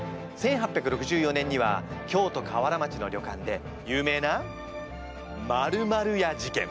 １８６４年には京都河原町の旅館で有名な○○屋事件。